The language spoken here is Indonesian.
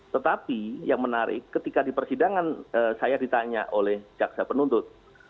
tetapi yang menarik ketika di persidangan saya ditanya oleh jaksa penuntut